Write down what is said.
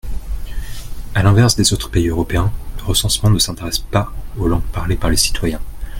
À l’inverse des autres pays européens, le recensement ne s’intéresse pas aux langues parlées par les citoyens.